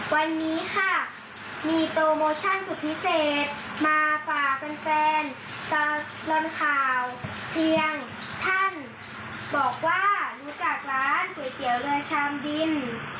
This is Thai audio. วันนี้ค่ะมีโปรโมชั่นสุดพิเศษมาฝากแฟนตลอดข่าวเพียงท่านบอกว่ารู้จักร้านก๋วยเตี๋ยวเรือชามบิน